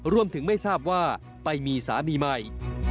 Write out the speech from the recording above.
รวมถึงไม่ทราบว่าไปมีสามีใหม่